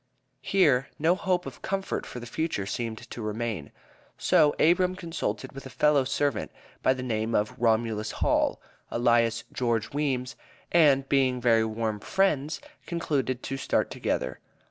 Here no hope of comfort for the future seemed to remain. So Abram consulted with a fellow servant, by the name of Romulus Hall, alias George Weems, and being very warm friends, concluded to start together.